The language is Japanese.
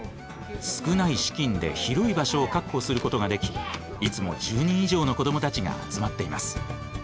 少ない資金で広い場所を確保することができいつも１０人以上の子どもたちが集まっています。